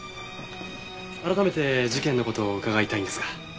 改めて事件の事を伺いたいんですが。